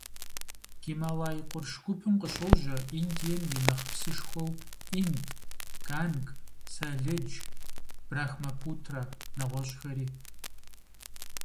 Гималай къурш гупым къыщожьэ Индием и нэхъ псышхуэу Инд, Ганг, Саледж, Брахмапутрэ, нэгъуэщӀхэри.